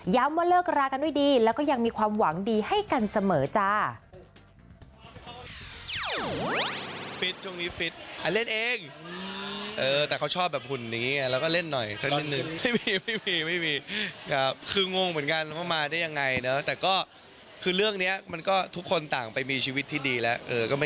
ว่าเลิกรากันด้วยดีแล้วก็ยังมีความหวังดีให้กันเสมอจ้า